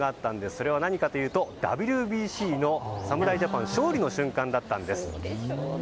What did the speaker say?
それは何かというとＷＢＣの侍ジャパン勝利の瞬間だったんです。